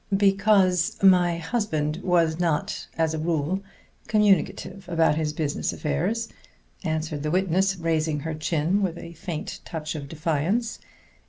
"Because my husband was not as a rule communicative about his business affairs," answered the witness, raising her chin with a faint touch of defiance.